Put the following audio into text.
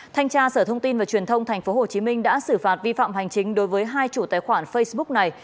thanh tra sở thông tin và truyền thông tp hcm đã xử phạt vi phạm hành chính đối với hai chủ tài khoản facebook này